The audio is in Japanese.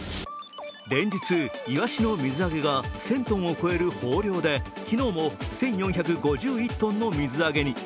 連日、イワシの水揚げが１０００ｔを超える豊漁で昨日も１４５１ｔの水揚げに。